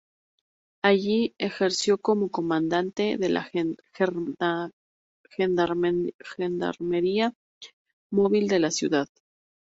Allí ejerció como Comandante de la Gendarmería Móvil de la Ciudad.